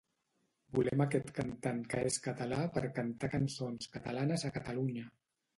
Volem aquest cantant que és català per cantar cançons catalanes a Catalunya